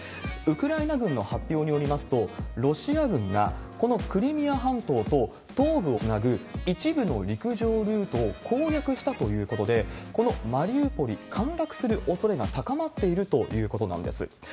ウクライナ軍の発表によりますと、ロシア軍がこのクリミア半島と東部をつなぐ一部の陸上ルートを攻略したということで、このマリウポリ、陥落するおそれが高まっているということなんです。